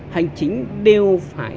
hành chính đều phải